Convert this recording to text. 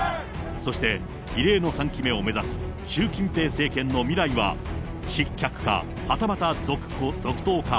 そして異例の３期目を目指す習近平政権の未来は、失脚か、はたまた続投か。